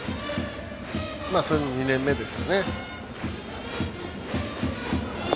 その２年目ですよね。